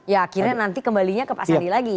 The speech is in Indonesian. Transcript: ya akhirnya nanti kembalinya ke pak sandi lagi